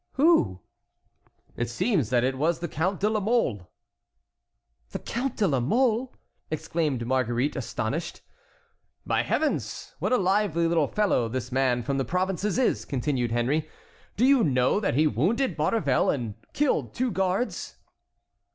"Who?" "It seems that it was the Count de la Mole." "The Count de la Mole!" exclaimed Marguerite, astonished. "By Heavens! what a lively little fellow this man from the provinces is!" continued Henry. "Do you know that he wounded Maurevel and killed two guards?"